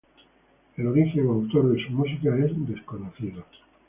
El origen o autor de su música es desconocido.